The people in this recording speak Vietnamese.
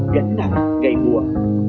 gánh nặng cây mùa